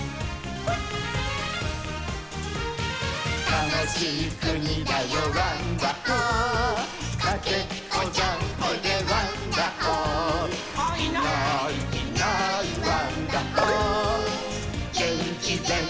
「たのしいくにだよワンダホー」「かけっこジャンプでワンダホー」「いないいないワンダホー」「げんきぜんかい」